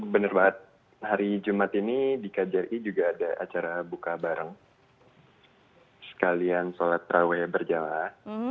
bener banget hari jumat ini di kjri juga ada acara buka bareng sekalian sholat taraweh berjalan